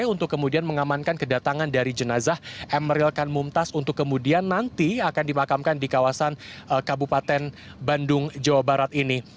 untuk kemudian mengamankan kedatangan dari jenazah emeril kan mumtaz untuk kemudian nanti akan dimakamkan di kawasan kabupaten bandung jawa barat ini